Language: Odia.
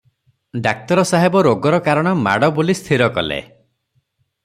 ଡାକ୍ତର ସାହେବ ରୋଗର କାରଣ ମାଡ଼ ବୋଲି ସ୍ଥିର କଲେ ।